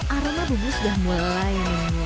aroma bubu sudah mulai